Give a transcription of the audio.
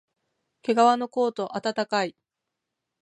けがわのコート、あたたかい